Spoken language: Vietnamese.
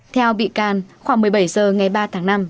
theo bị can khoảng một mươi bảy h ngày ba tháng năm